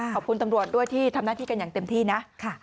ตำรวจด้วยที่ทำหน้าที่กันอย่างเต็มที่นะ